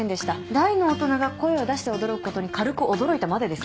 大の大人が声を出して驚くことに軽く驚いたまでです。